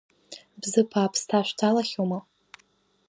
Бзыԥ аԥсҭа шәҭалахьоума?